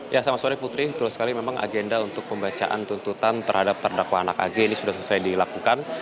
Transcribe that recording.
ya selamat sore putri betul sekali memang agenda untuk pembacaan tuntutan terhadap terdakwa anak ag ini sudah selesai dilakukan